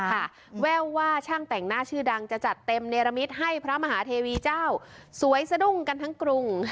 แววว่าช่างแต่งหน้าชื่อดังจะจัดเต็มเนรมิตให้พระมหาเทวีเจ้าสวยสะดุ้งกันทั้งกรุง